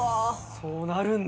そうなるんだ。